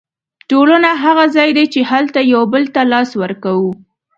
ټولنه هغه ځای دی چې هلته یو بل ته لاس ورکوو.